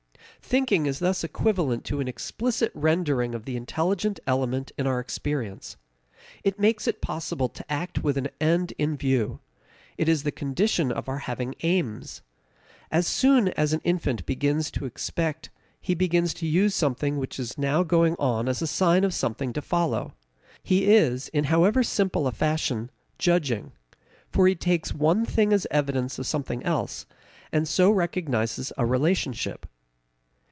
Thinking is thus equivalent to an explicit rendering of the intelligent element in our experience. It makes it possible to act with an end in view. It is the condition of our having aims. As soon as an infant begins to expect he begins to use something which is now going on as a sign of something to follow; he is, in however simple a fashion, judging. For he takes one thing as evidence of something else, and so recognizes a relationship.